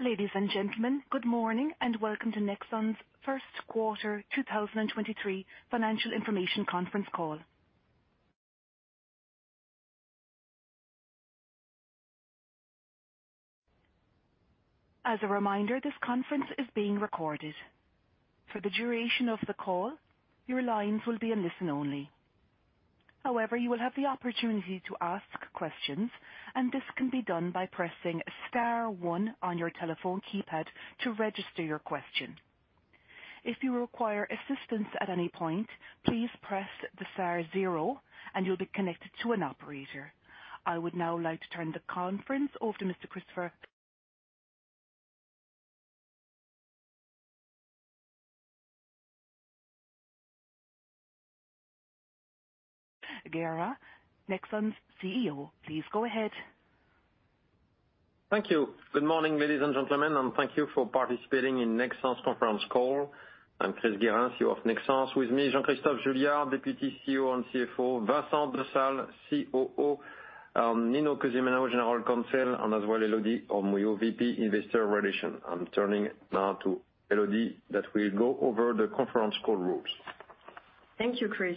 Ladies and gentlemen, good morning, and welcome to Nexans' first quarter 2023 financial information conference call. As a reminder, this conference is being recorded. For the duration of the call, your lines will be in listen only. However, you will have the opportunity to ask questions, and this can be done by pressing star one on your telephone keypad to register your question. If you require assistance at any point, please press the star zero, and you'll be connected to an operator. I would now like to turn the conference over to Mr. Christopher Guérin, Nexans' CEO. Please go ahead. Thank you. Good morning, ladies and gentlemen, and thank you for participating in Nexans' conference call. I'm Chris Guerin, CEO of Nexans. With me, Jean-Christophe Juillard, Deputy CEO and CFO, Vincent Dessale, COO, Nino Cusimano, General Counsel, and as well Elodie Robbe-Mouillot, VP Investor Relations. I'm turning now to Elodie that will go over the conference call rules. Thank you, Chris.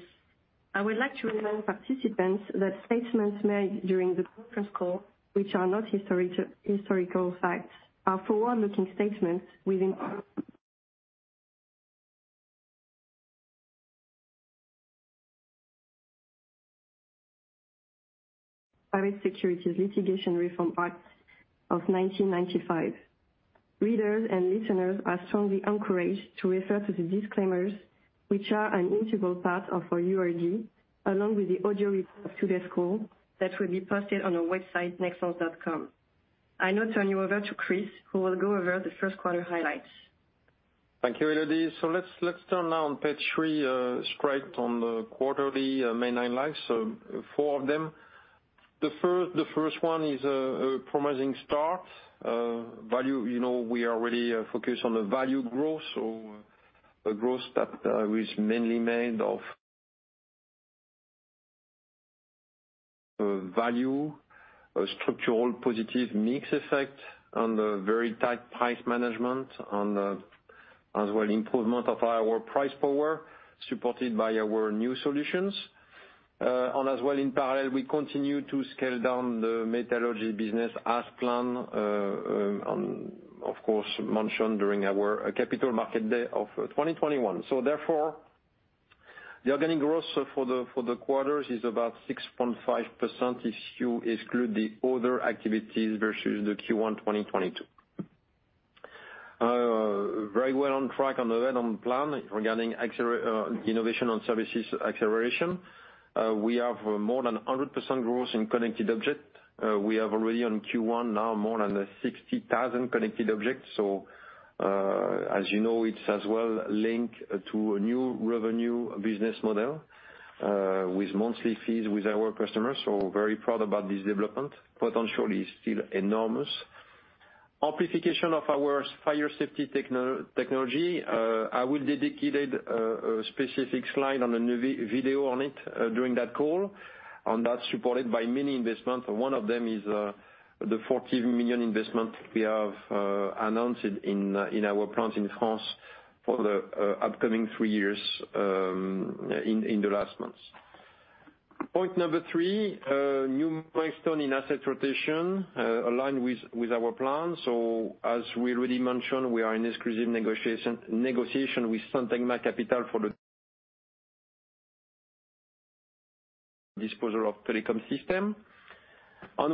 I would like to remind participants that statements made during the conference call, which are not historical facts, are forward-looking statements within Private Securities Litigation Reform Act of 1995. Readers and listeners are strongly encouraged to refer to the disclaimers, which are an integral part of our URD, along with the audio report of today's call that will be posted on our website, nexans.com. I now turn you over to Chris, who will go over the first quarter highlights. Thank you, Elodie. Let's turn now on page three, straight on the quarterly main highlights, four of them. The first one is a promising start. Value, you know, we are really focused on the value growth, a growth that is mainly made of value, a structural positive mix effect on the very tight price management, as well improvement of our price power, supported by our new solutions. And as well, in parallel, we continue to scale down the metallurgy business as planned, and of course mentioned during our Capital Markets Day of 2021. Therefore the organic growth for the quarters is about 6.5% if you exclude the other activities versus the Q1 2022. Very well on track on that, on plan regarding innovation on services acceleration. We have more than a 100% growth in connected objects. We have already on Q1 now more than 60,000 connected objects. As you know, it's as well linked to a new revenue business model with monthly fees with our customers, so very proud about this development. Potential is still enormous. Amplification of our fire safety technology. I will dedicated a specific slide on a video on it during that call, and that's supported by many investments. One of them is the 14 million investment we have announced in our plant in France for the upcoming three years in the last months. Point number three, new milestone in asset rotation, aligned with our plan. As we already mentioned, we are in exclusive negotiation with Syntagma Capital for the disposal of telecom system.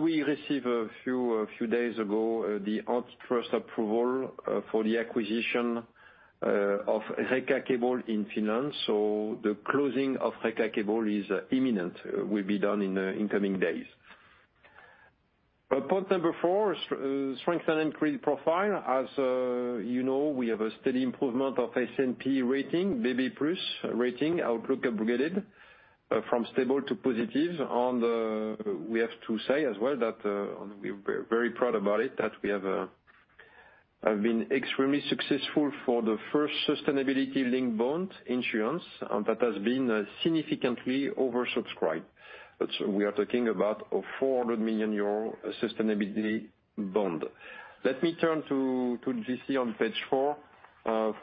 We receive a few days ago the antitrust approval for the acquisition of Reka Cables in Finland. The closing of Reka Cables is imminent, will be done in coming days. Point number four, strengthen and credit profile. As you know, we have a steady improvement of S&P rating, BB+ rating outlook upgraded from stable to positive. We have to say as well that we're very proud about it that we have been extremely successful for the first Sustainability-Linked Bond issuance, and that has been significantly oversubscribed. We are talking about a 400 million euro Sustainability-Linked Bond. Let me turn to GC on page four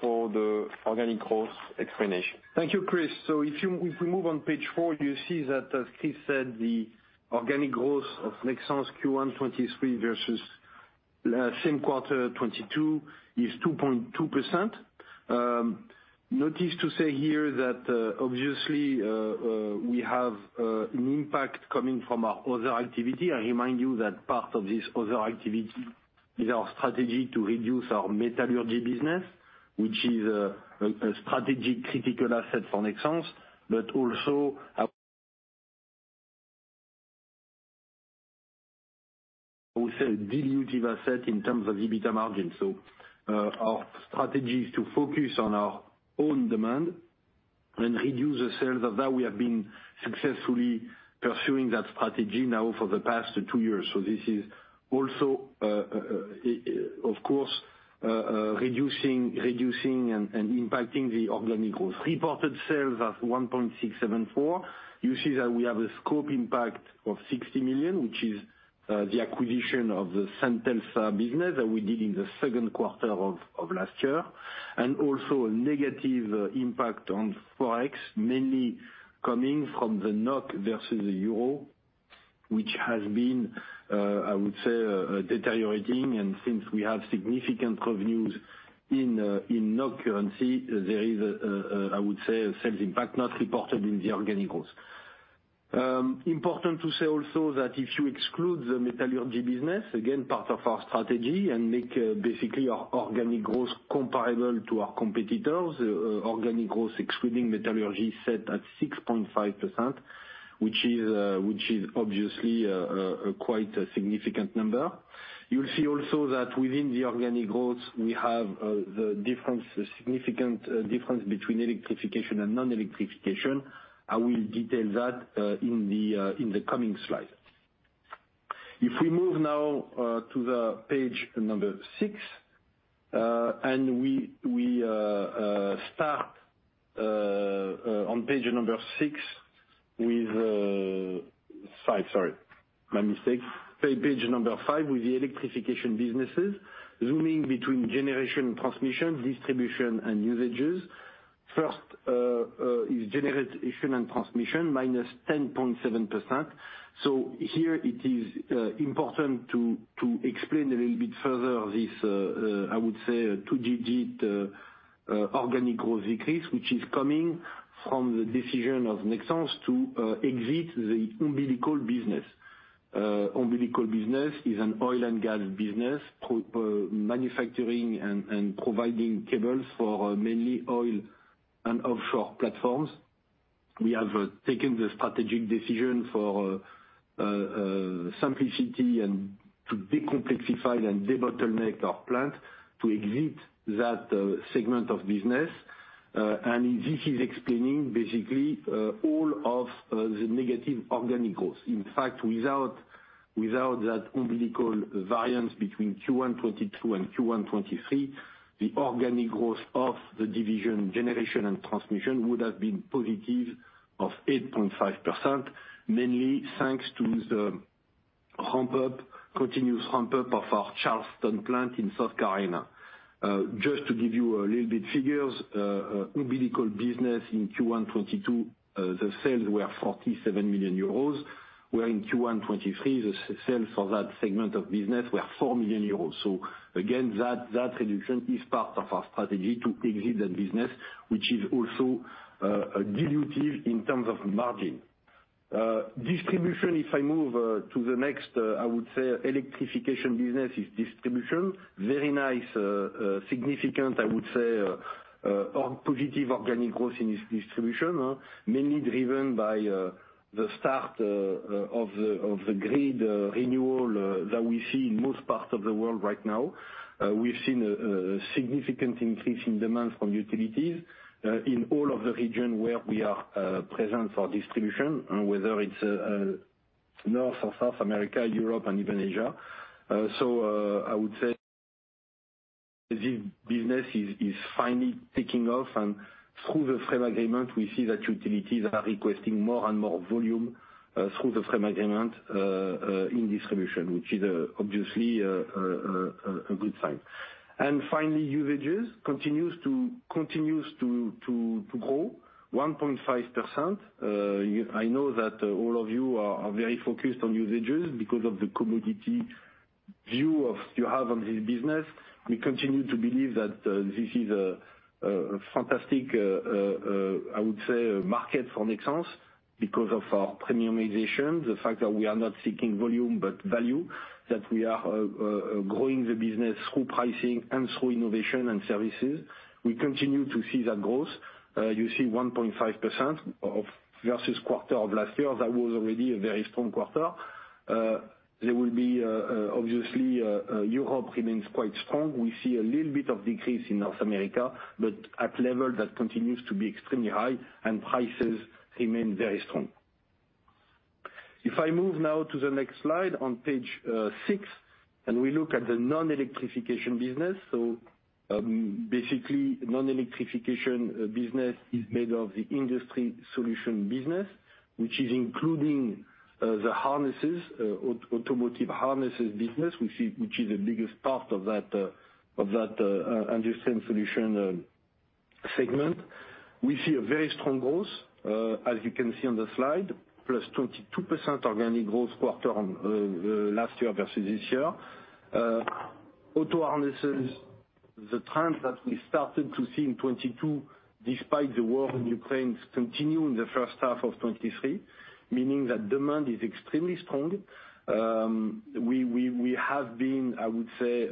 for the organic growth explanation. Thank you, Chris. If you, if we move on page four, you see that, as Chris said, the organic growth of Nexans Q1 2023 versus same quarter 2022 is 2.2%. Notice to say here that obviously we have an impact coming from our other activity. I remind you that part of this other activity is our strategy to reduce our metallurgy business, which is a strategic critical asset for Nexans, but also a dilutive asset in terms of EBITDA margin. Our strategy is to focus on our own demand and reduce the sales of that, we have been successfully pursuing that strategy now for the past two years. This is also of course reducing and impacting the organic growth. Reported sales of 1.674. You see that we have a scope impact of 60 million, which is the acquisition of the Centelsa business that we did in the second quarter of last year. Also a negative impact on Forex, mainly coming from the NOK versus the euro, which has been, I would say, deteriorating. Since we have significant revenues in NOK currency, there is, I would say, a sales impact not reported in the organic growth. Important to say also that if you exclude the metallurgy business, again, part of our strategy, and make basically our organic growth comparable to our competitors, organic growth excluding metallurgy sat at 6.5%, which is obviously quite a significant number. You'll see also that within the organic growth, we have the difference, significant difference between electrification and non-electrification. I will detail that in the coming slide. If we move now to page six, and we start on page six with, five, sorry. My mistake. Page 5 with the electrification businesses, zooming between generation, transmission, distribution, and usages. First is generation and transmission, minus 10.7%. Here it is important to explain a little bit further this I would say, two-digit organic growth decrease, which is coming from the decision of Nexans to exit the umbilical business. Umbilical business is an oil and gas business, manufacturing and providing cables for mainly oil and offshore platforms. We have taken the strategic decision for simplicity and to decomplexify and debottleneck our plant to exit that segment of business. This is explaining basically all of the negative organic growth. In fact, without that umbilical variance between Q1 2022 and Q1 2023, the organic growth of the division generation and transmission would have been positive of 8.5%, mainly thanks to the ramp up, continuous ramp up of our Charleston plant in South Carolina. Just to give you a little bit figures, umbilical business in Q1 2022, the sales were 47 million euros, where in Q1 2023, the sales for that segment of business were 4 million euros. Again, that reduction is part of our strategy to exit that business, which is also dilutive in terms of margin. Distribution, if I move to the next, I would say electrification business is distribution. Very nice, significant, I would say, org-positive organic growth in this distribution, mainly driven by the start of the grid renewal that we see in most parts of the world right now. We've seen a significant increase in demand from utilities in all of the region where we are present for distribution, whether it's North or South America, Europe and even Asia. I would say this business is finally taking off, and through the frame agreement, we see that utilities are requesting more and more volume through the frame agreement in distribution, which is obviously a good sign. Finally, usages continues to grow 1.5%. I know that all of you are very focused on usages because of the commodity view of you have on this business. We continue to believe that this is a fantastic, I would say, market for Nexans because of our premiumization, the fact that we are not seeking volume, but value, that we are growing the business through pricing and through innovation and services. We continue to see that growth. You see 1.5% versus quarter of last year. That was already a very strong quarter. There will be, obviously, Europe remains quite strong. We see a little bit of decrease in North America, but at level that continues to be extremely high and prices remain very strong. If I move now to the next slide on page six, and we look at the non-electrification business. Basically, non-electrification business is made of the industry solution business, which is including the harnesses, automotive harnesses business, which is the biggest part of that industry solution segment. We see a very strong growth, as you can see on the slide, +22% organic growth quarter on last year versus this year. Auto harnesses, the trend that we started to see in 2022 despite the war in Ukraine continue in the first half of 2023, meaning that demand is extremely strong. We have been, I would say,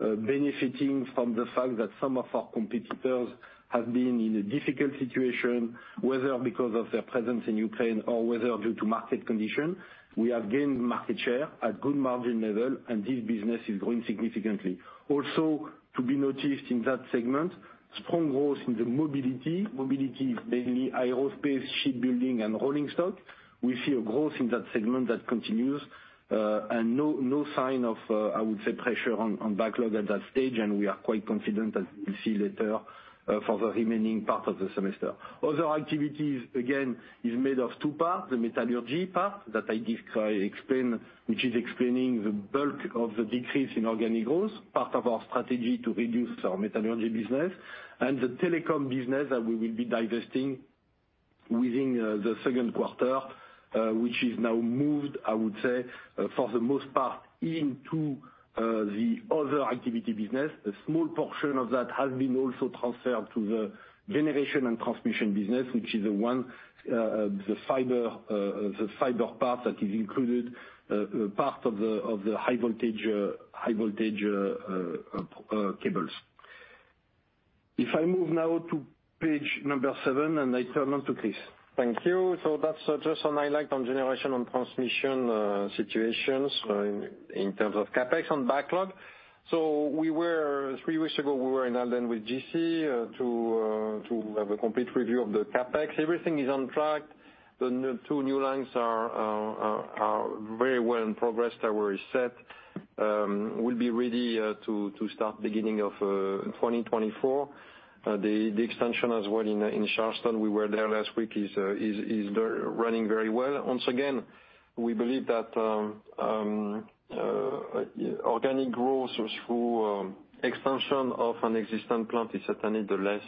benefiting from the fact that some of our competitors have been in a difficult situation. Whether because of their presence in Ukraine or whether due to market condition, we have gained market share at good margin level, and this business is growing significantly. Also to be noticed in that segment, strong growth in the mobility. Mobility is mainly aerospace, shipbuilding and rolling stock. We see a growth in that segment that continues, and no sign of, I would say, pressure on backlog at that stage, and we are quite confident that we'll see later for the remaining part of the semester. Other activities, again, is made of two parts, the metallurgy part that I explained, which is explaining the bulk of the decrease in organic growth, part of our strategy to reduce our metallurgy business. The telecom business that we will be divesting within the second quarter, which is now moved, I would say, for the most part into the other activity business. A small portion of that has been also transferred to the generation and transmission business, which is the one, the fiber part that is included part of the high voltage cables. If I move now to page number seven, I turn on to Chris. Thank you. That's just some highlight on generation and transmission situations in terms of CapEx and backlog. We were, three weeks ago, we were in Halden with GC to have a complete review of the CapEx. Everything is on track. The two new lines are very well in progress that were set. We'll be ready to start beginning of 2024. The extension as well in Charleston, we were there last week, is running very well. Once again, we believe that organic growth through expansion of an existing plant is certainly the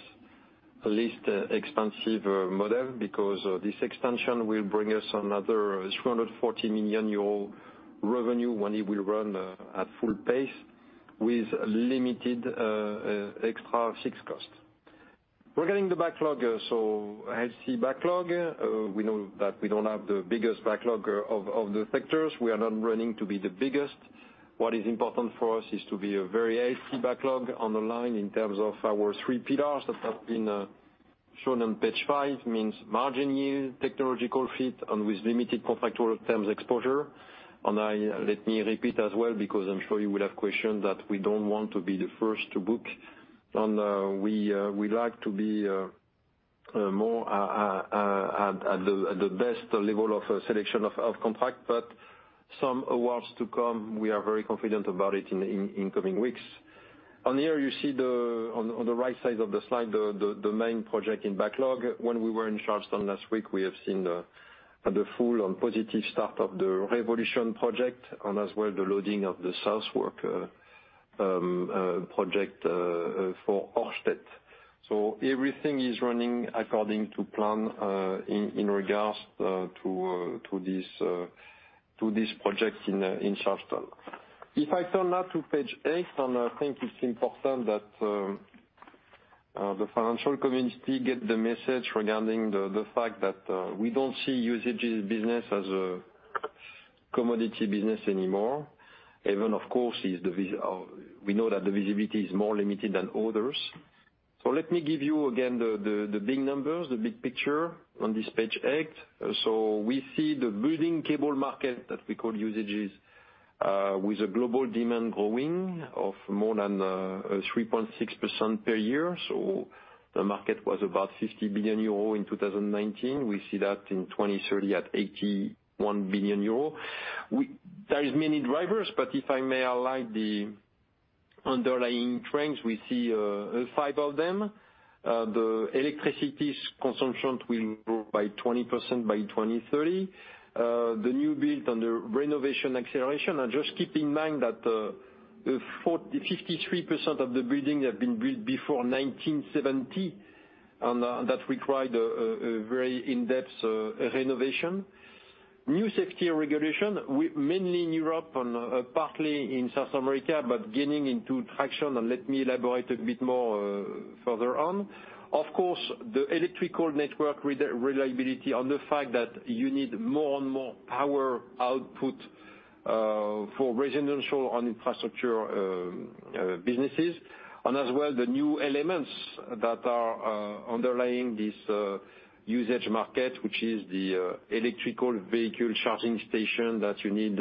least expensive model because this expansion will bring us another 340 million euro revenue when it will run at full pace with limited extra fixed cost. Regarding the backlog, healthy backlog. We know that we don't have the biggest backlog of the sectors. We are not running to be the biggest. What is important for us is to be a very healthy backlog on the line in terms of our three pillars that have been shown on page five, means margin yield, technological fit, and with limited contractual terms exposure. Let me repeat as well, because I'm sure you will have questions, that we don't want to be the first to book. We like to be more at the best level of selection of contract. Some awards to come, we are very confident about it in coming weeks. Here, you see the on the right side of the slide, the main project in backlog. When we were in Charleston last week, we have seen the full and positive start of the Revolution project and as well the loading of the Seagreen project for Ørsted. Everything is running according to plan in regards to this project in Charleston. If I turn now to page eight, I think it's important that the financial community get the message regarding the fact that we don't see Usages business as a commodity business anymore. Even of course the visibility is more limited than others. Let me give you again the big numbers, the big picture on this page eight. We see the building cable market that we call Usages, with a global demand growing of more than 3.6% per year. The market was about 50 billion euro in 2019. We see that in 2030 at 81 billion euro. There is many drivers, but if I may highlight the underlying trends, we see five of them. The electricity consumption will grow by 20% by 2030. The new build and the renovation acceleration. Just keep in mind that 40, 53% of the building have been built before 1970. That required a very in-depth renovation. New safety regulation with mainly in Europe and partly in South America, but gaining into traction. Let me elaborate a bit more further on. Of course, the electrical network re-reliability and the fact that you need more and more power output for residential and infrastructure businesses. As well, the new elements that are underlying this usage market, which is the electrical vehicle charging station that you need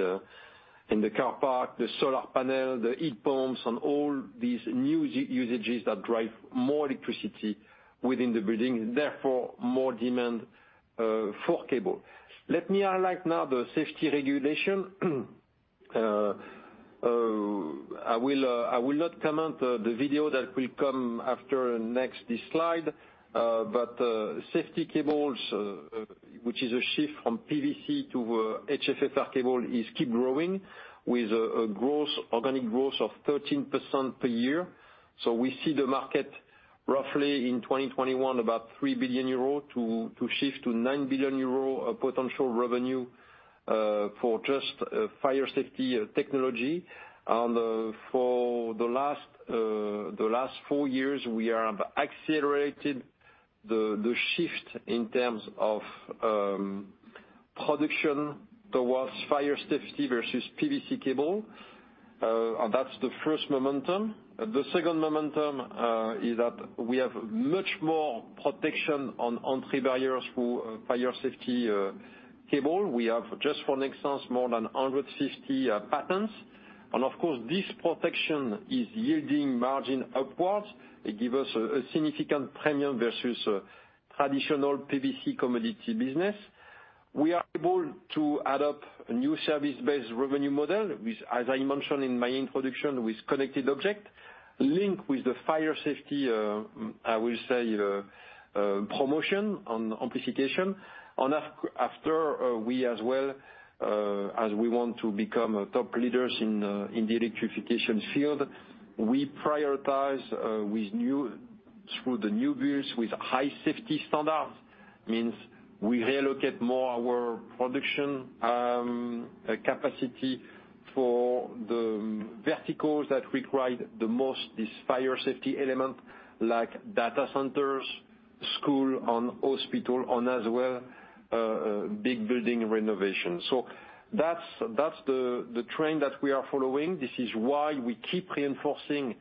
in the car park, the solar panel, the heat pumps, and all these new usages that drive more electricity within the building, therefore more demand for cable. Let me highlight now the safety regulation. I will not comment the video that will come after next this slide. Safety cables, which is a shift from PVC to HFFR cable is keep growing with organic growth of 13% per year. We see the market roughly in 2021 about 3 billion euro to shift to 9 billion euro of potential revenue for just fire safety technology. For the last four years, we have accelerated the shift in terms of production towards fire safety versus PVC cable. The second momentum is that we have much more protection on three barriers for fire safety cable. We have just for Nexans more than 150 patents. Of course, this protection is yielding margin upwards. It give us a significant premium versus traditional PVC commodity business. We are able to add up a new service-based revenue model with, as I mentioned in my introduction, with connected object link with the fire safety, I will say, promotion on amplification. After we as well, as we want to become top leaders in the electrification field, we prioritize through the new builds with high safety standards. Means we reallocate more our production capacity for the verticals that require the most, this fire safety element, like data centers, school and hospital, and as well, big building renovation. That's the trend that we are following. This is why we keep reinforcing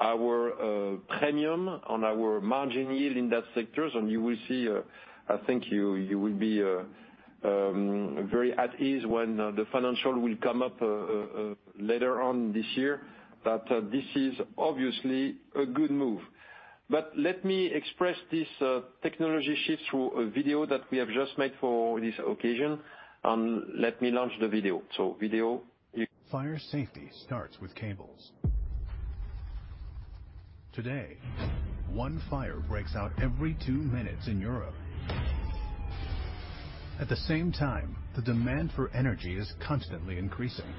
our premium on our margin yield in that sectors. You will see, I think you will be very at ease when the financial will come up later on this year, that this is obviously a good move. Let me express this, technology shift through a video that we have just made for this occasion, and let me launch the video. Video. Fire safety starts with cables. Today, one fire breaks out every two minutes in Europe. At the same time, the demand for energy is constantly increasing.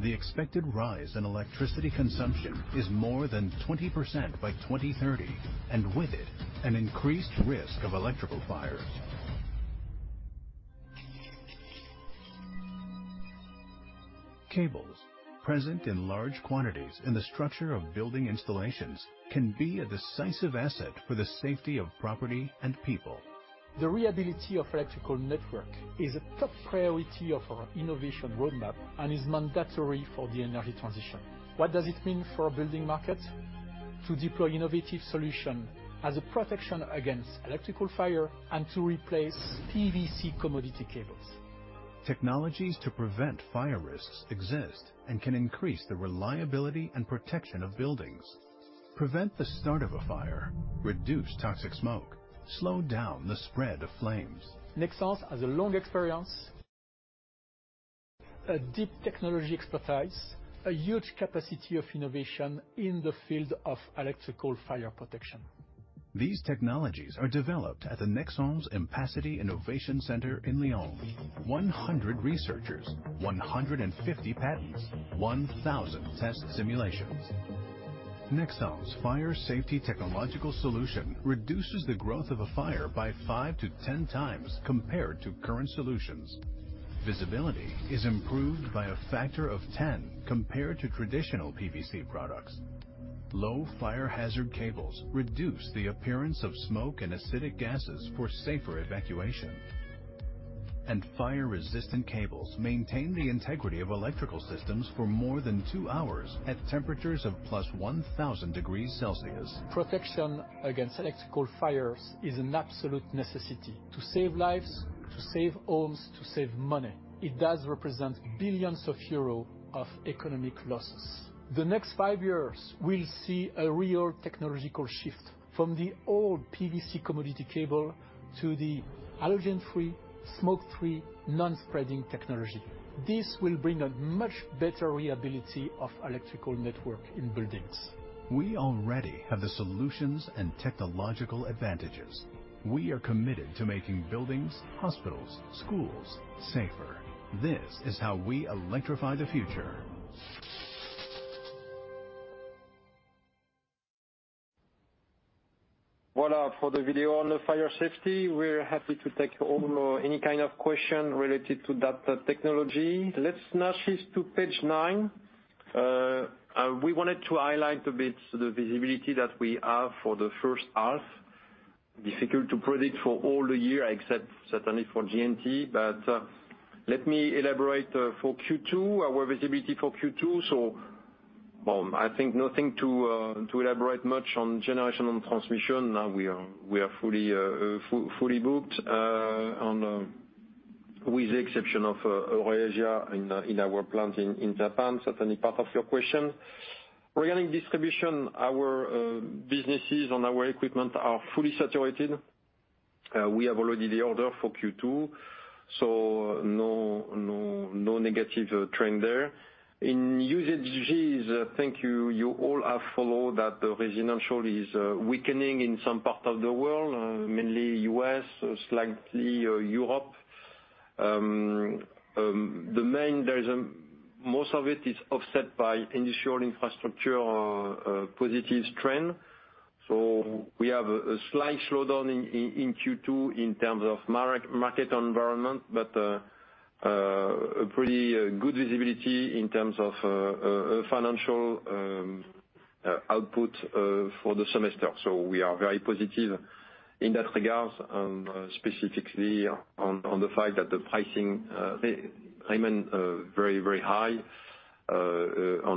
The expected rise in electricity consumption is more than 20% by 2030, and with it, an increased risk of electrical fires. Cables present in large quantities in the structure of building installations can be a decisive asset for the safety of property and people. The reliability of electrical network is a top priority of our innovation roadmap and is mandatory for the energy transition. What does it mean for a building market? To deploy innovative solution as a protection against electrical fire and to replace PVC commodity cables. Technologies to prevent fire risks exist and can increase the reliability and protection of buildings. Prevent the start of a fire, reduce toxic smoke, slow down the spread of flames. Nexans has a long experience, a deep technology expertise, a huge capacity of innovation in the field of electrical fire protection. These technologies are developed at the Nexans AmpaCity Innovation Center in Lyon. 100 researchers, 150 patents, 1,000 test simulations. Nexans Fire Safety technological solution reduces the growth of a fire by five to 10 times compared to current solutions. Visibility is improved by a factor of 10 compared to traditional PVC products. Low fire hazard cables reduce the appearance of smoke and acidic gases for safer evacuation. Fire-resistant cables maintain the integrity of electrical systems for more than two hours at temperatures of plus 1,000 degrees Celsius. Protection against electrical fires is an absolute necessity to save lives, to save homes, to save money. It does represent billions of EUR of economic losses. The next five years, we'll see a real technological shift from the old PVC commodity cable to the halogen-free, smoke-free, non-spreading technology. This will bring a much better reliability of electrical network in buildings. We already have the solutions and technological advantages. We are committed to making buildings, hospitals, schools safer. This is how we electrify the future. Voilà, for the video on the fire safety. We're happy to take all, any kind of question related to that technology. Let's now shift to page nine. We wanted to highlight a bit the visibility that we have for the first half. Difficult to predict for all the year except certainly for G&T. Let me elaborate for Q2, our visibility for Q2. Well, I think nothing to elaborate much on Generation and Transmission. Now we are, we are fully booked on with the exception of Asia in our plant in Japan. Certainly part of your question. Regarding distribution, our businesses on our equipment are fully saturated. We have already the order for Q2, so no negative trend there. In Usage, I think you all have followed that the residential is weakening in some parts of the world, mainly U.S., slightly Europe. The main most of it is offset by industrial infrastructure, positive trend. We have a slight slowdown in Q2 in terms of market environment, but a pretty good visibility in terms of financial output for the semester. We are very positive in that regard, specifically on the fact that the pricing remain very high.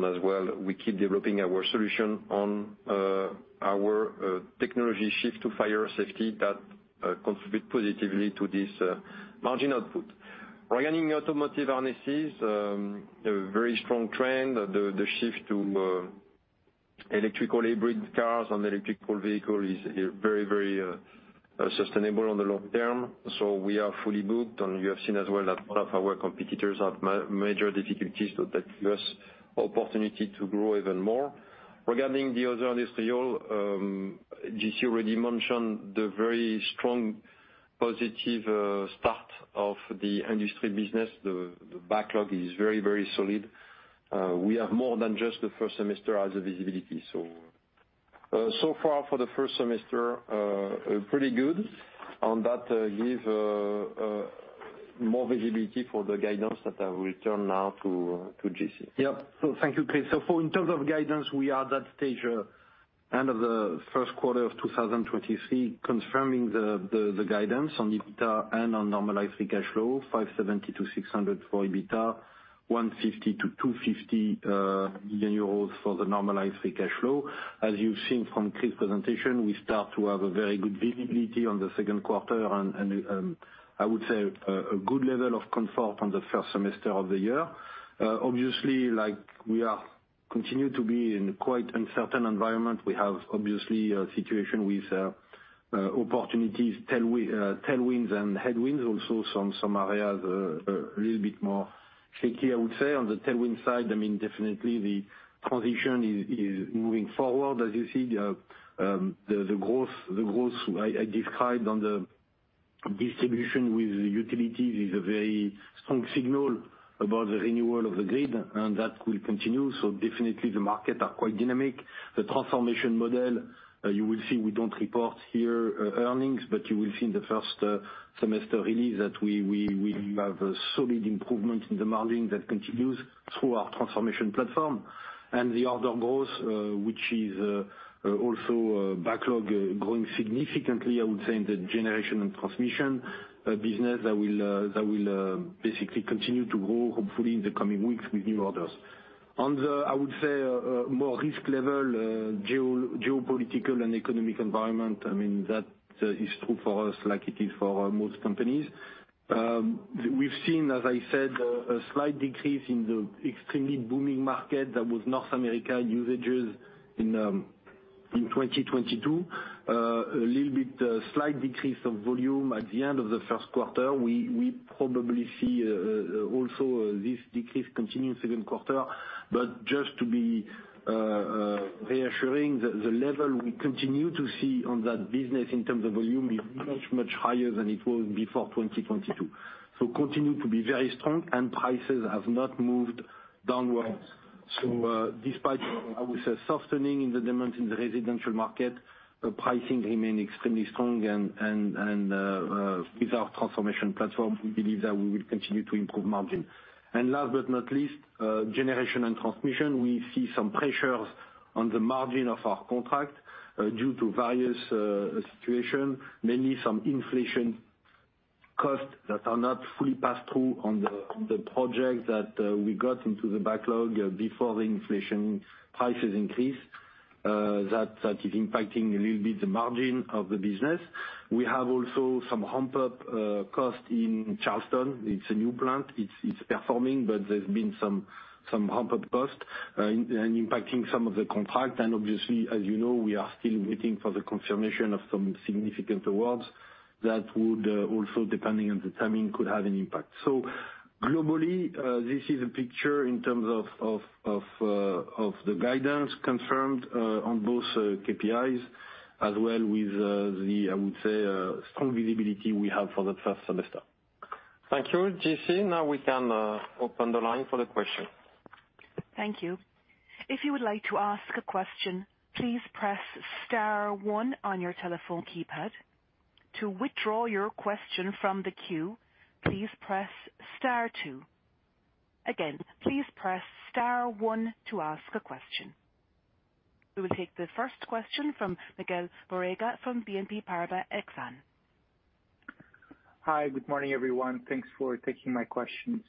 As well, we keep developing our solution on our technology shift to fire safety that contribute positively to this margin output. Regarding automotive harnesses, a very strong trend. The shift to electrical hybrid cars on electrical vehicle is very, very sustainable on the long term. We are fully booked. You have seen as well that one of our competitors have major difficulties so that gives us opportunity to grow even more. Regarding the other industrial, GC already mentioned the very strong positive start of the industry business. The backlog is very, very solid. We have more than just the first semester as a visibility. So far for the first semester, pretty good. That give more visibility for the guidance that I will turn now to GC. Thank you, Chris. For in terms of guidance, we are at that stage, end of the first quarter of 2023 confirming the guidance on EBITDA and on normalized free cash flow, 570-600 for EBITDA, 150-250 million euros for the normalized free cash flow. As you've seen from Chris' presentation, we start to have a very good visibility on the second quarter and, I would say a good level of comfort on the first semester of the year. Obviously, like we are continue to be in quite uncertain environment. We have obviously a situation with opportunities, tailwinds and headwinds, also some areas a little bit more shaky, I would say. On the tailwind side, I mean, definitely the transition is moving forward. As you see the growth I described on the distribution with utilities is a very strong signal about the renewal of the grid, and that will continue. Definitely the market are quite dynamic. The transformation model, you will see we don't report here, earnings, but you will see in the first semester release that we have a solid improvement in the margin that continues through our transformation platform. The other growth, which is also a backlog growing significantly, I would say, in the generation and transmission business that will basically continue to grow hopefully in the coming weeks with new orders. On the, I would say, more risk level, geopolitical and economic environment, I mean, that is true for us like it is for most companies. We've seen, as I said, a slight decrease in the extremely booming market that was North America usages in 2022. A little bit, slight decrease of volume at the end of the 1st quarter. We probably see also this decrease continue 2nd quarter. Just to be reassuring, the level we continue to see on that business in terms of volume is much, much higher than it was before 2022. Continue to be very strong and prices have not moved downwards. Despite, I would say, softening in the demand in the residential market, pricing remain extremely strong. With our transformation platform, we believe that we will continue to improve margin. Last but not least, generation and transmission. We see some pressures on the margin of our contract due to various situation, mainly some inflation costs that are not fully passed through on the project that we got into the backlog before the inflation prices increased. That is impacting a little bit the margin of the business. We have also some hump up cost in Charleston. It's a new plant. It's performing, but there's been some hump up cost and impacting some of the contract. Obviously, as you know, we are still waiting for the confirmation of some significant awards that would also, depending on the timing, could have an impact. Globally, this is a picture in terms of the guidance confirmed on both KPIs as well with the, I would say, strong visibility we have for the first semester. Thank you, GC. We can open the line for the question. Thank you. If you would like to ask a question, please press star one on your telephone keypad. To withdraw your question from the queue, please press star two. Again, please press star one to ask a question. We will take the first question from Miguel Borrega from BNP Paribas Exane. Hi. Good morning, everyone. Thanks for taking my questions.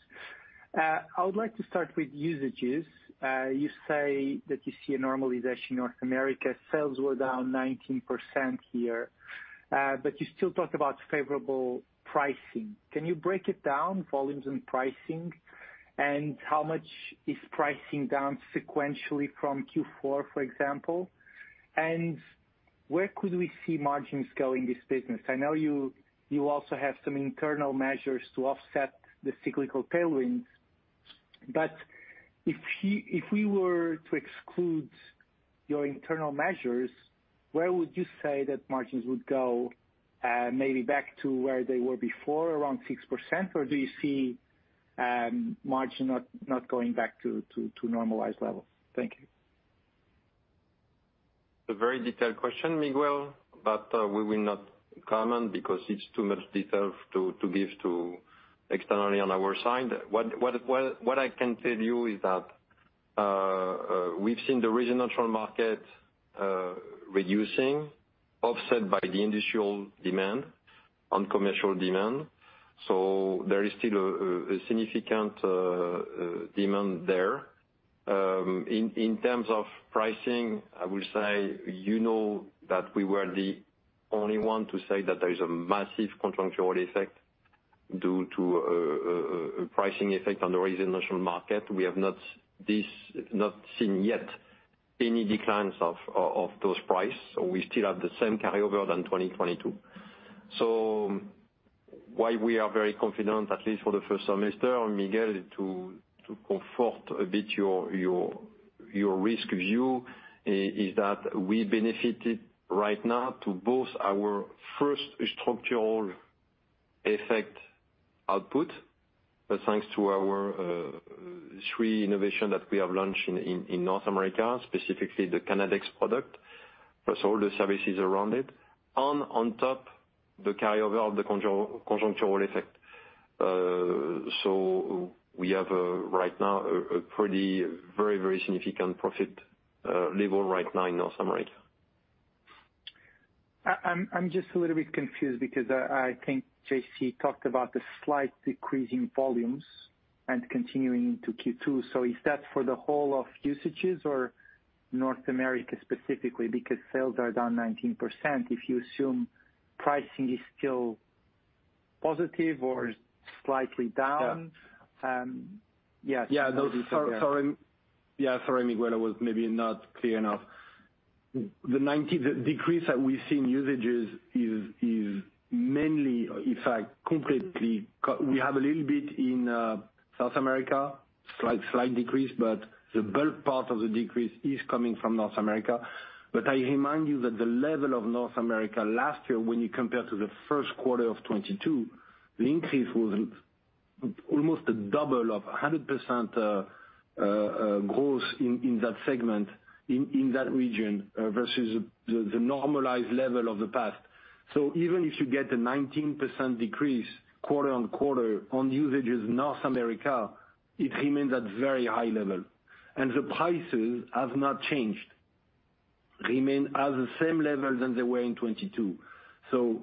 I would like to start with usages. You say that you see a normalization in North America. Sales were down 19% here, but you still talk about favorable pricing. Can you break it down, volumes and pricing? How much is pricing down sequentially from Q4, for example? Where could we see margins go in this business? I know you also have some internal measures to offset the cyclical tailwinds. If we were to exclude your internal measures, where would you say that margins would go? Maybe back to where they were before, around 6%, or do you see margin not going back to normalized levels? Thank you. A very detailed question, Miguel, we will not comment because it's too much detail to give externally on our side. What I can tell you is that we've seen the residential market reducing, offset by the industrial demand on commercial demand. There is still a significant demand there. In terms of pricing, I will say you know that we were the only one to say that there is a massive conjunctural effect due to a pricing effect on the residential market. We have not seen yet any declines of those price. We still have the same carryover than 2022. So why we are very confident, at least for the first semester, Miguel, to comfort a bit your risk view, is that we benefited right now to both our first structural effect output, but thanks to our three innovation that we have launched in North America, specifically the CANADEX product, plus all the services around it, on top the carryover of the conjunctural effect. We have right now a pretty, very, very significant profit level right now in North America. I'm just a little bit confused because I think JC talked about the slight decrease in volumes and continuing into Q2. Is that for the whole of usages or North America specifically? Sales are down 19%. If you assume pricing is still positive or slightly down. Yeah. Yeah. Yeah. No, sorry, Miguel, I was maybe not clear enough. The 90 decrease that we see in usages is mainly, in fact, we have a little bit in South America, slight decrease, but the bulk part of the decrease is coming from North America. I remind you that the level of North America last year when you compare to the first quarter of 2022, the increase was almost double of 100% growth in that segment, in that region versus the normalized level of the past. Even if you get a 19% decrease quarter-on-quarter on usages North America, it remains at very high level. The prices have not changed. Remain at the same level than they were in 2022.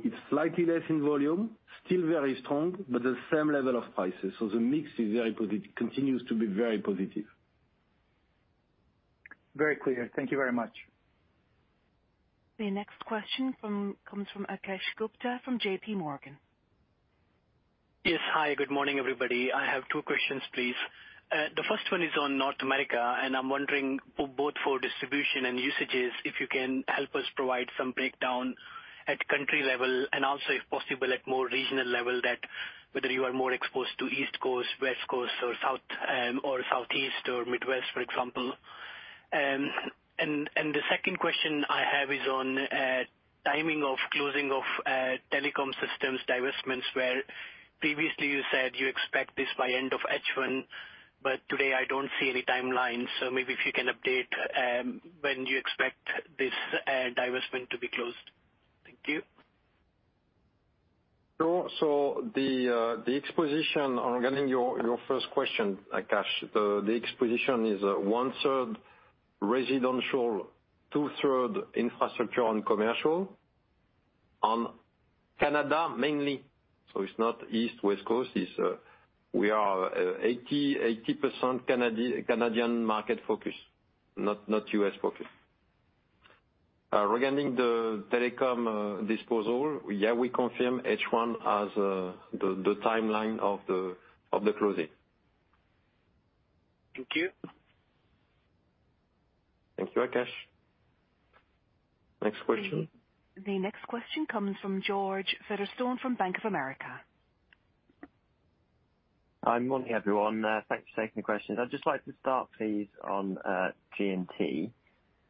It's slightly less in volume, still very strong, but the same level of prices. The mix is very positive, continues to be very positive. Very clear. Thank you very much. The next question comes from Akash Gupta from J.P. Morgan. Yes. Hi, good morning, everybody. I have two questions, please. The first one is on North America, and I'm wondering, both for distribution and usages, if you can help us provide some breakdown at country level and also, if possible, at more regional level that whether you are more exposed to East Coast, West Coast or South, Southeast or Midwest, for example. The second question I have is on timing of closing of telecom systems divestments, where previously you said you expect this by end of H1, but today I don't see any timelines. Maybe if you can update when you expect this divestment to be closed. Thank you. The exposition on getting your first question, Akash, the exposition is one-third residential, two-third infrastructure and commercial on Canada mainly. It's not East, West Coast. It's, we are 80% Canadian market focused, not U.S. focused. Regarding the telecom disposal, yeah, we confirm H1 as the timeline of the closing. Thank you. Thank you, Akash. Next question. The next question comes from George Featherstone from Bank of America. Hi, morning, everyone. Thanks for taking the questions. I'd just like to start please on G&T.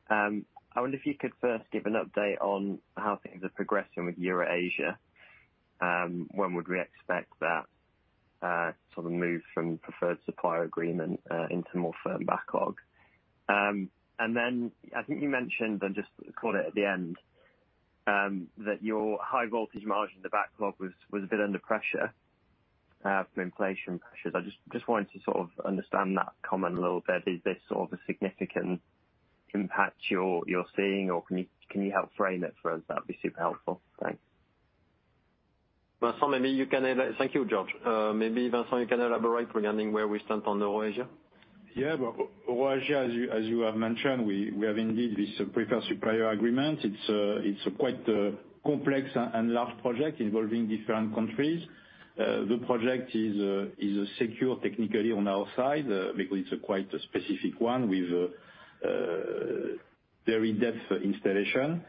I wonder if you could first give an update on how things are progressing with EuroAsia. When would we expect that sort of move from preferred supplier agreement into more firm backlog? I think you mentioned, and just call it at the end, that your high voltage margin, the backlog was a bit under pressure from inflation pressures. I just wanted to sort of understand that comment a little bit. Is this sort of a significant impact you're seeing or can you help frame it for us? That'd be super helpful. Thanks. Thank you, George. Maybe Vincent, you can elaborate regarding where we stand on the EuroAsia. Yeah. Well, EuroAsia, as you have mentioned, we have indeed this preferred supplier agreement. It's a quite complex and large project involving different countries. The project is secure technically on our side because it's a quite a specific one with very depth installation.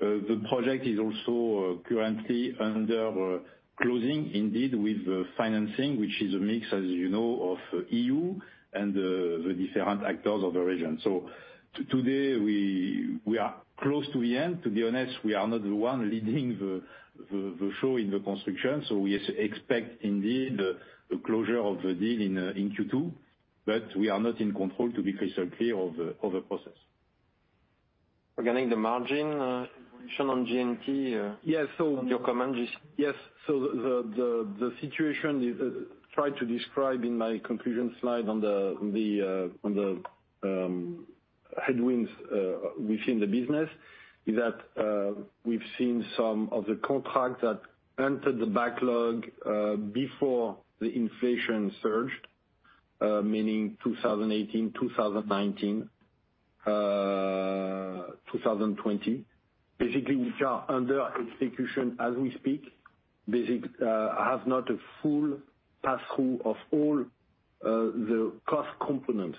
The project is also currently under closing indeed with financing, which is a mix, as you know, of EU and the different actors of the region. Today we are close to the end. To be honest, we are not the one leading the show in the construction, we expect indeed the closure of the deal in Q2. We are not in control to be crystal clear of the process. Regarding the margin, shown on GNT. Yes. Your comment is? The situation is, try to describe in my conclusion slide on the headwinds within the business is that, we've seen some of the contracts that entered the backlog before the inflation surged, meaning 2018, 2019, 2020. Which are under execution as we speak, have not a full pass-through of all the cost components.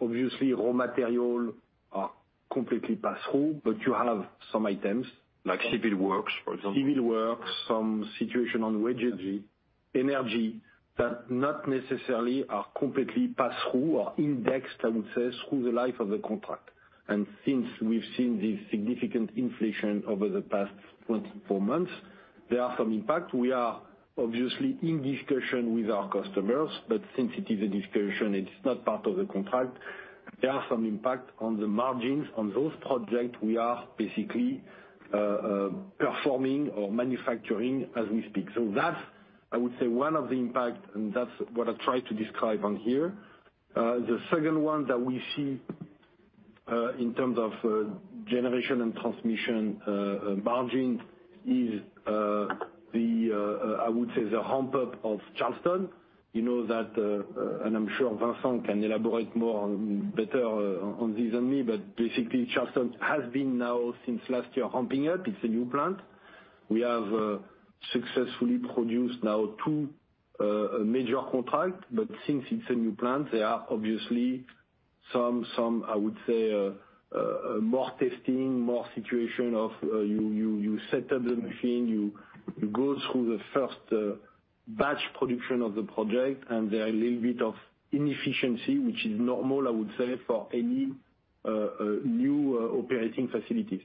Obviously, raw material are completely pass-through, but you have some items- Like civil works, for example. Civil works, some situation on wages, energy that not necessarily are completely pass-through or indexed, I would say, through the life of the contract. Since we've seen this significant inflation over the past 24 months, there are some impact. We are obviously in discussion with our customers, but since it is a discussion, it's not part of the contract. There are some impact on the margins. On those projects we are basically performing or manufacturing as we speak. That's, I would say, one of the impact, and that's what I tried to describe on here. The second one that we see in terms of generation and transmission margin is the, I would say, the ramp up of Charleston. You know that, and I'm sure Vincent can elaborate more on better on this than me. Basically Charleston has been now since last year ramping up. It's a new plant. We have successfully produced now two major contract. Since it's a new plant, there are obviously some, I would say, more testing, more situation of, you set up the machine, you go through the first batch production of the project, there are a little bit of inefficiency, which is normal, I would say, for any new operating facilities.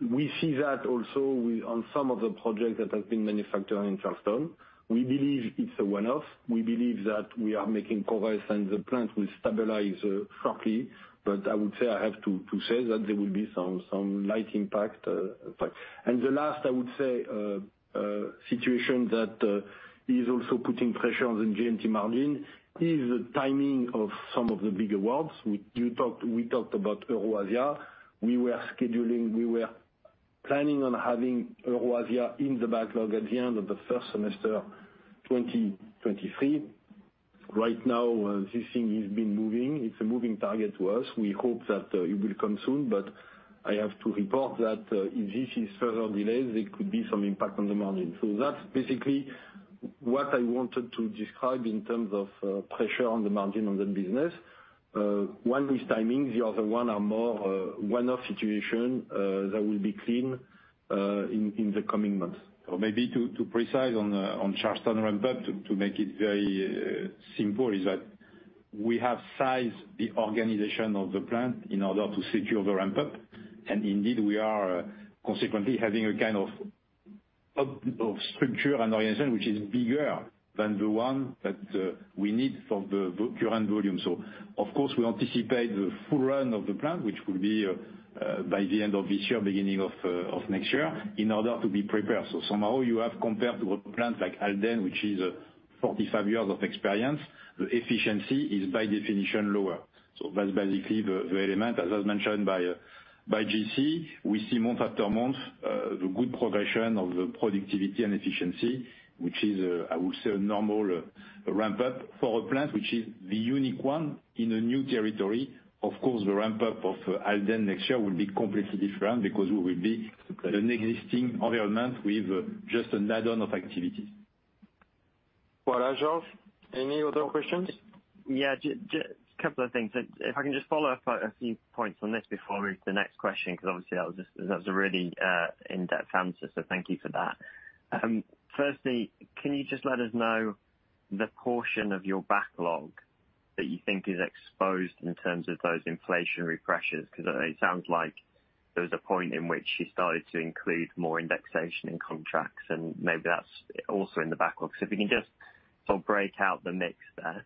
We see that also on some of the projects that have been manufactured in Charleston. We believe it's a one-off. We believe that we are making progress and the plant will stabilize shortly. I would say I have to say that there will be some light impact. The last I would say situation that is also putting pressure on the G&T margin is the timing of some of the big awards. You talked, we talked about EuroAsia. We were scheduling, we were planning on having EuroAsia in the backlog at the end of the first semester, 2023. Right now, this thing has been moving. It's a moving target to us. We hope that it will come soon, but I have to report that if this is further delayed, there could be some impact on the margin. That's basically what I wanted to describe in terms of pressure on the margin on the business. One is timing, the other one are more, one-off situation, that will be clean in the coming months. Maybe to precise on Charleston ramp up, to make it very simple, is that we have sized the organization of the plant in order to secure the ramp up. Indeed, we are consequently having a kind of structure and orientation which is bigger than the one that we need for the current volume. Of course, we anticipate the full run of the plant, which will be by the end of this year, beginning of next year, in order to be prepared. Somehow you have compared to a plant like Halden, which is 45 years of experience, the efficiency is by definition lower. That's basically the element, as was mentioned by GC. We see month after month, the good progression of the productivity and efficiency, which is, I would say a normal ramp up for a plant which is the unique one in a new territory. Of course, the ramp up of Halden next year will be completely different because we will be an existing environment with just an add-on of activity. Well, George, any other questions? Couple of things. I can just follow up a few points on this before we move to the next question. Obviously that was just, that was a really in-depth answer, so thank you for that. Firstly, can you just let us know the portion of your backlog that you think is exposed in terms of those inflationary pressures? It sounds like there was a point in which you started to include more indexation in contracts, and maybe that's also in the backlog. If you can just sort of break out the mix there.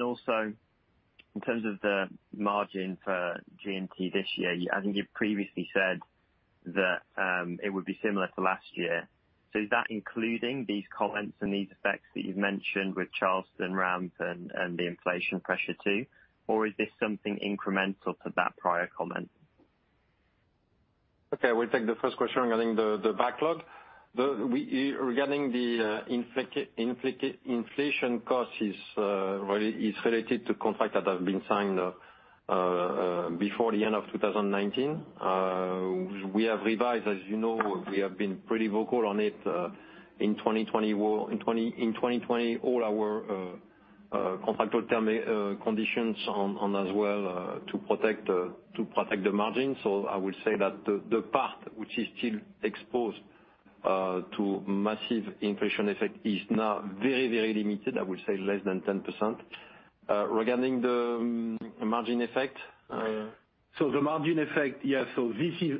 Also in terms of the margin for GNT this year, I think you've previously said that it would be similar to last year. Is that including these comments and these effects that you've mentioned with Charleston ramp and the inflation pressure too? Is this something incremental to that prior comment? Okay, we'll take the first question regarding the backlog. Regarding the inflation cost is very related to contract that have been signed before the end of 2019. We have revised, as you know, we have been pretty vocal on it, in 2020, all our contract conditions on as well to protect the margin. I would say that the part which is still exposed to massive inflation effect is now very limited. I would say less than 10%. Regarding the margin effect. The margin effect, yes. This is,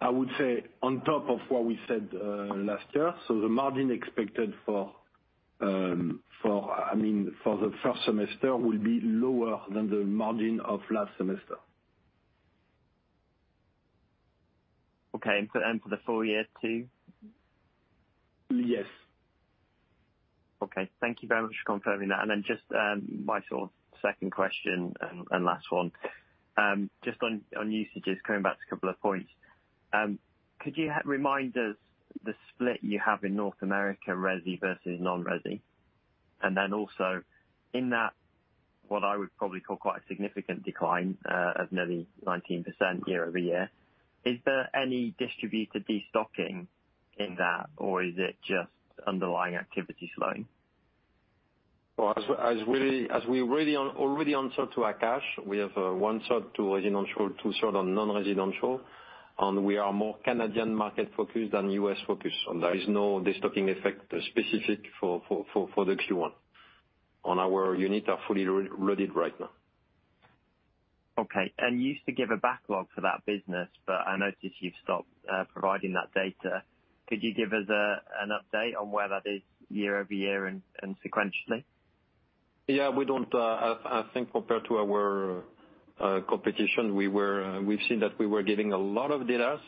I would say, on top of what we said, last year. The margin expected for, I mean, for the first semester will be lower than the margin of last semester. Okay. For the full year too? Yes. Okay. Thank you very much for confirming that. Just, my sort of second question and last one, just on usages, coming back to a couple of points, could you remind us the split you have in North America resi versus non-resi? And then also in that, what I would probably call quite a significant decline, of nearly 19% year-over-year, is there any distributed destocking in that, or is it just underlying activity slowing? Well, as we already answered to Akash, we have one third to residential, two third on non-residential. We are more Canadian market focused than U.S. focused. There is no destocking effect specific for the Q1. Our units are fully loaded right now. Okay. You used to give a backlog for that business, but I noticed you've stopped providing that data. Could you give us a, an update on where that is year-over-year and sequentially? Yeah, we don't. I think compared to our competition, we were, we've seen that we were giving a lot of datas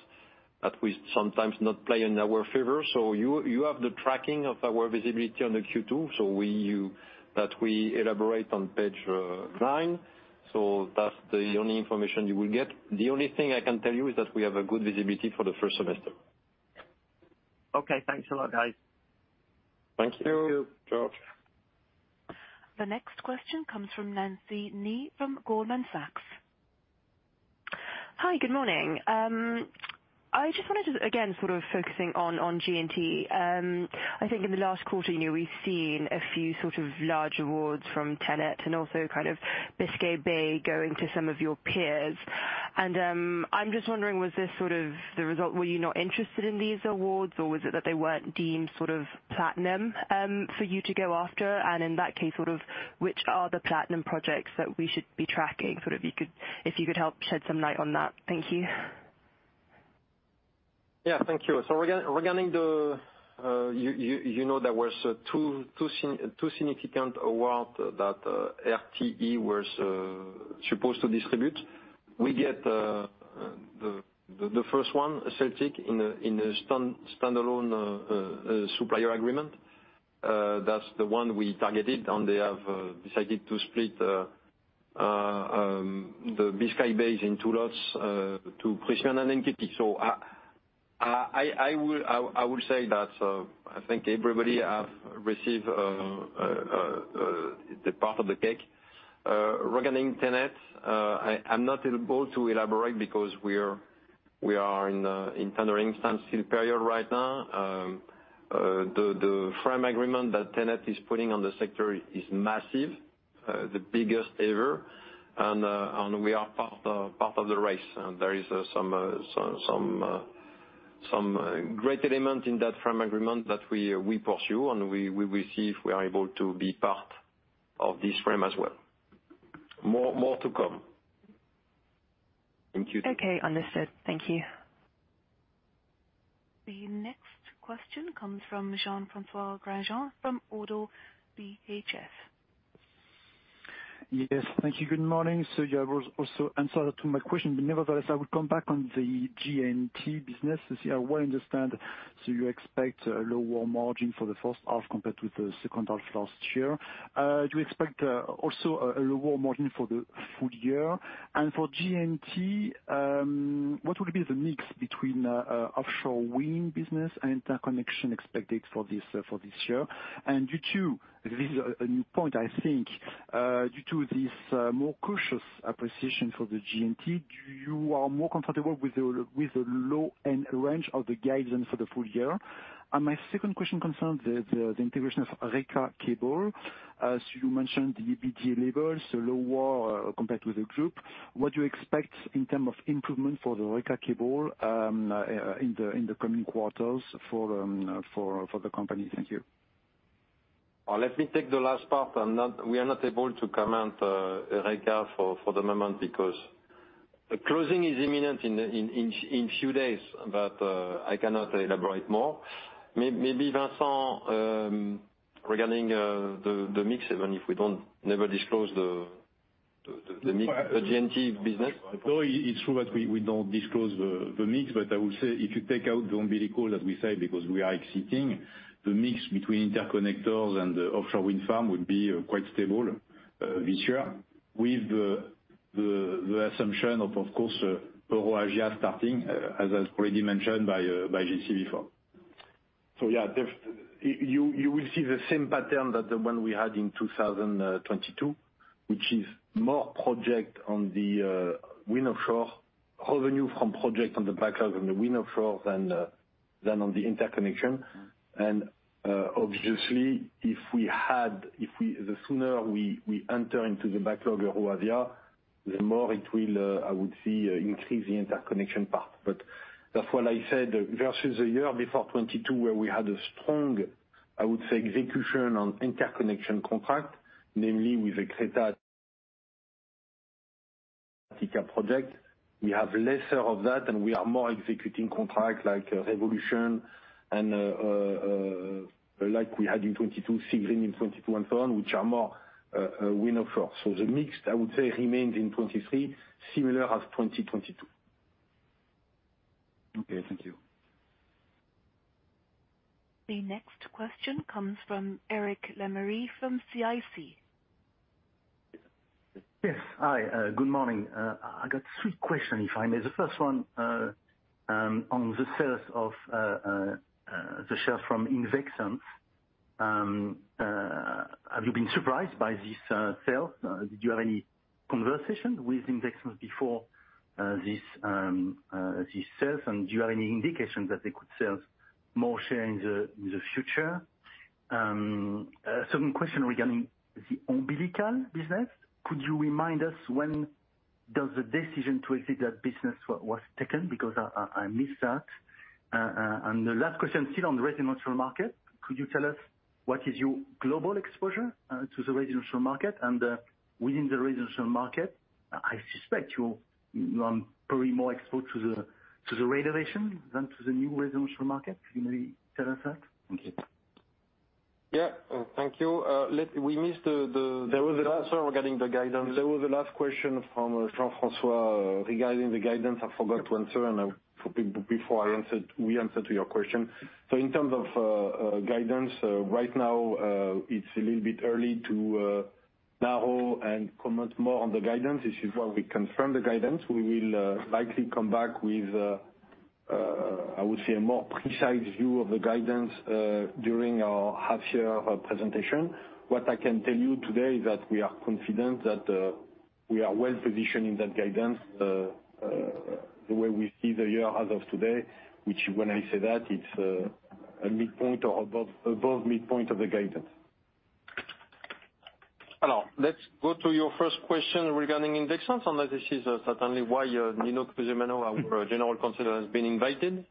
that we sometimes not play in our favor. You have the tracking of our visibility on the Q2, so you, that we elaborate on page nine. That's the only information you will get. The only thing I can tell you is that we have a good visibility for the first semester. Okay. Thanks a lot, guys. Thank you. Thank you. Ciao. The next question comes from Nancy Nee from Goldman Sachs. Hi. Good morning. I just wanted to, again, sort of focusing on G&T. I think in the last quarter, you know, we've seen a few sort of large awards from TenneT and also kind of Biscay Bay going to some of your peers. I'm just wondering, were you not interested in these awards, or was it that they weren't deemed sort of platinum for you to go after? In that case, sort of which are the platinum projects that we should be tracking? Sort of you could, if you could help shed some light on that. Thank you. Yeah. Thank you. Regarding the, you know, there was two significant award that RTE was supposed to distribute. We get the first one, Celtic, in a standalone supplier agreement. That's the one we targeted, and they have decided to split the Bay of Biscay into lots to Christian and NTT. I would say that I think everybody have received the part of the cake. Regarding TenneT, I'm not able to elaborate because we're in tendering stance period right now. The frame agreement that TenneT is putting on the sector is massive, the biggest ever. We are part of the race. There is some great element in that frame agreement that we pursue. We will see if we are able to be part of this frame as well. More to come. Thank you. Okay. Understood. Thank you. The next question comes from Jean-François Granjon from ODDO BHF. Yes. Thank you. Good morning. You have also answered to my question, but nevertheless, I would come back on the G&T business to see how well I understand. You expect a lower margin for the first half compared with the second half last year. Do you expect also a lower margin for the full year? For G&T, what would be the mix between offshore wind business and interconnection expected for this, for this year? Due to this new point, I think, due to this more cautious appreciation for the G&T, do you are more comfortable with the low-end range of the guidance for the full year? My second question concerns the integration of Reka Cables. As you mentioned, the EBITDA levels are lower compared with the group. What do you expect in term of improvement for the Reka Cables in the coming quarters for the company? Thank you. Let me take the last part. We are not able to comment Reka for the moment because the closing is imminent in few days, but I cannot elaborate more. Maybe, Vincent, regarding the mix, even if we never disclose the mix, the G&T business. No, it's true that we don't disclose the mix, but I would say if you take out the umbilical, as we say, because we are exiting, the mix between interconnectors and the offshore wind farm would be quite stable this year with the assumption of course, EuroAsia starting as already mentioned by J.C. before. Yeah, you will see the same pattern that the one we had in 2022, which is more project on the wind offshore, revenue from project on the backlog on the wind offshore than on the interconnection. Obviously, if we had, the sooner we enter into the backlog of EuroAsia- The more it will, I would say, increase the interconnection part. That's what I said, versus a year before 2022 where we had a strong, I would say, execution on interconnection contract, namely with Crete project. We have lesser of that, and we are more executing contracts like Revolution and, like we had in 2022, Seagreen in 2022 and so on, which are more, win of course. The mix, I would say, remains in 2023, similar as 2022. Okay, thank you. The next question comes from Eric Lemarié from CIC. Yes. Hi, good morning. I got three questions, if I may. The first one on the sales of the shares from Invexans. Have you been surprised by this sale? Did you have any conversations with Invexans before this sale? Do you have any indications that they could sell more share in the future? Second question regarding the umbilical business. Could you remind us when does the decision to exit that business was taken? Because I missed that. The last question, still on residential market. Could you tell us what is your global exposure to the residential market? Within the residential market, I suspect you're probably more exposed to the renovation than to the new residential market. Can you tell us that? Thank you. Yeah. Thank you. We missed the. There was regarding the guidance. There was a last question from Jean-François regarding the guidance I forgot to answer, and, before I answered, we answer to your question. In terms of guidance, right now, it's a little bit early to narrow and comment more on the guidance. This is why we confirm the guidance. We will likely come back with, I would say, a more precise view of the guidance during our half year presentation. What I can tell you today is that we are confident that we are well positioned in that guidance, the way we see the year as of today, which, when I say that, it's a midpoint or above midpoint of the guidance. Hello. Let's go to your first question regarding Invexans, and this is certainly why, Nino Cusimano, our General Counsel, has been invited.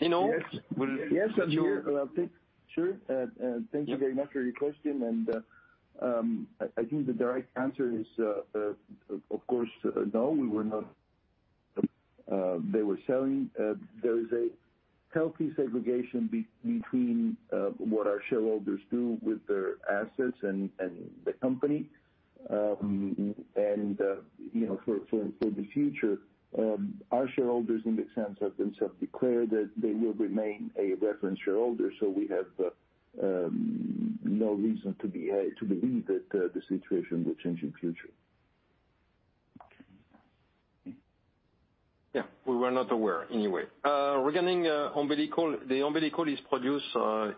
Nino. Yes. Will you- Yes, I'm here. Sure. Thank you very much for your question. I think the direct answer is, of course, no, we were not. They were selling. There is a healthy segregation between what our shareholders do with their assets and the company. You know, for the future, our shareholders in that sense have themselves declared that they will remain a reference shareholder, so we have no reason to believe that the situation will change in future. Yeah. We were not aware anyway. Regarding umbilical, the umbilical is produced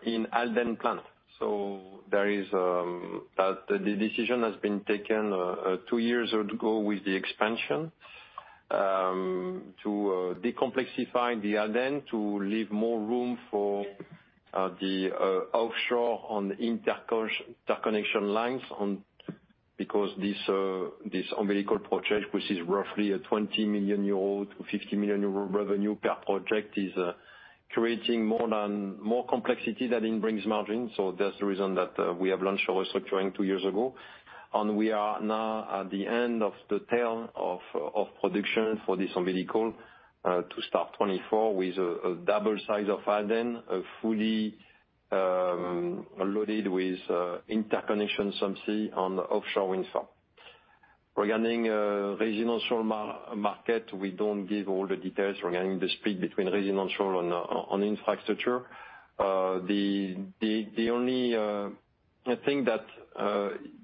in Halden plant. So there is the decision has been taken two years ago with the expansion to decomplexify the Halden to leave more room for the offshore on interconnection lines on. Because this umbilical project, which is roughly a 20 million-50 million euro revenue per project, is creating more complexity than it brings margin. So that's the reason that we have launched a restructuring two years ago. And we are now at the end of the tail of production for this umbilical to start 2024 with a double size of Halden fully loaded with interconnection subsea on the offshore wind farm. Regarding residential market, we don't give all the details regarding the split between residential and on infrastructure. The only, I think that,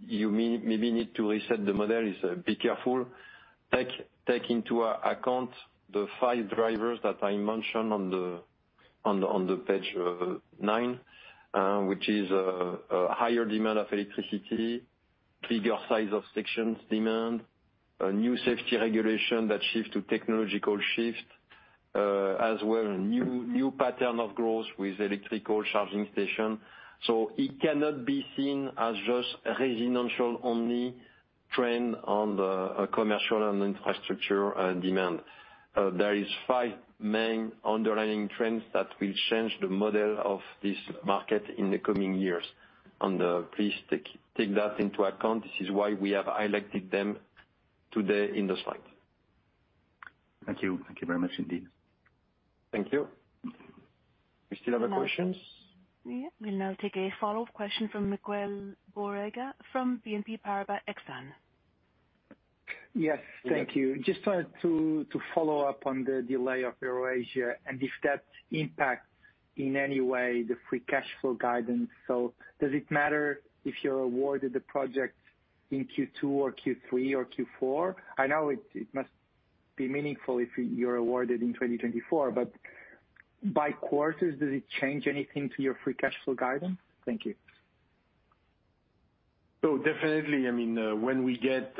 you maybe need to reset the model is be careful. Take into account the five drivers that I mentioned on the page nine, which is a higher demand of electricity, bigger size of sections demand, a new safety regulation that shifts to technological shift, as well a new pattern of growth with electrical charging station. It cannot be seen as just a residential only trend on the commercial and infrastructure demand. There is five main underlying trends that will change the model of this market in the coming years. Please take that into account. This is why we have highlighted them today in the slide. Thank you. Thank you very much indeed. Thank you. We still have a question? Yeah. We'll now take a follow-up question from Miguel Borrega from BNP Paribas Exane. Yes. Thank you. Just to follow up on the delay of EuroAsia, if that impacts in any way the free cash flow guidance. Does it matter if you're awarded the project in Q2 or Q3 or Q4? I know it must be meaningful if you're awarded in 2024, by quarters, does it change anything to your free cash flow guidance? Thank you. Definitely, I mean, when we get,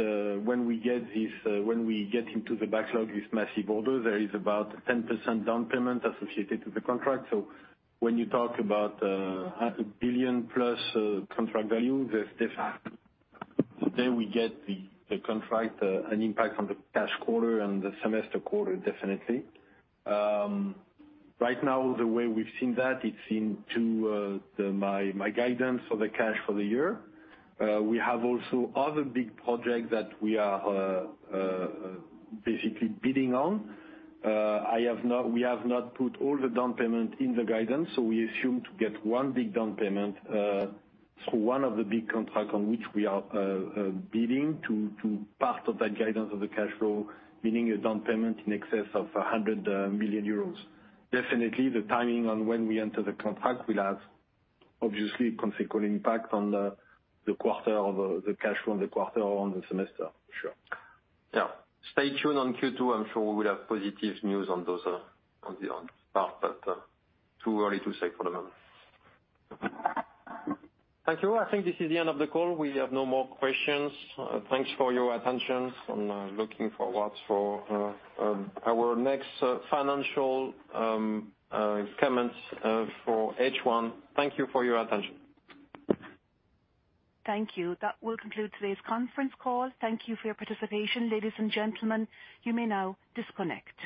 when we get this, when we get into the backlog, this massive order, there is about 10% down payment associated to the contract. When you talk about 1 billion plus contract value, The day we get the contract, an impact on the cash quarter and the semester quarter, definitely. Right now, the way we've seen that, it's into my guidance for the cash for the year. We have also other big projects that we are basically bidding on. We have not put all the down payment in the guidance. We assume to get one big down payment through one of the big contract on which we are bidding to part of that guidance of the cash flow, meaning a down payment in excess of 100 million euros. Definitely, the timing on when we enter the contract will have obviously consequential impact on the quarter of the cash flow, on the quarter or on the semester. Sure. Yeah. Stay tuned on Q2. I'm sure we'll have positive news on those, on that. Too early to say for the moment. Thank you. I think this is the end of the call. We have no more questions. Thanks for your attention. I'm looking forward for our next financial comments for H1. Thank you for your attention. Thank you. That will conclude today's conference call. Thank you for your participation. Ladies and gentlemen, you may now disconnect.